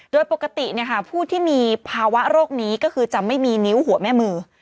โดยปกติผู้ที่มีภาวะโรคนี้ก็คือจะไม่มีนิ้วหัวแม่มือ